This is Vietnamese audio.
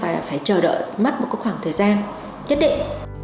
và phải chờ đợi mất một khoảng thời gian nhất định